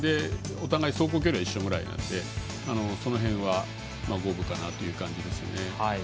お互い、走行距離は一緒ぐらいなんでその辺は、五分かなという感じですね。